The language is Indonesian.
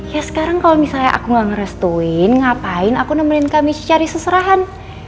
ya sekarang kalo misalnya aku gak ngerustuin ngapain aku nemenin kak michi cari seserahan